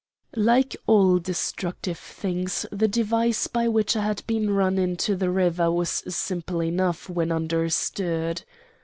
"Like all destructive things the device by which I had been run into the river was simple enough when understood.